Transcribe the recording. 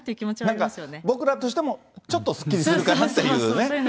なんか、僕らとしても、ちょっとすっきりするかなっていう。